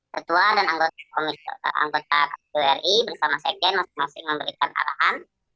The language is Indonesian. ketua dan anggota kpu ri bersama sekjen masing masing memberikan arahan